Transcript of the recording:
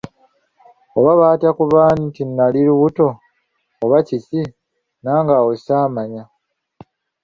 Oba baatya kuba nti nnali lubuto oba kiki, nange awo ssaamanya.